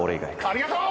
ありがとう！